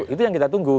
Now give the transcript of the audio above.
itu yang kita tunggu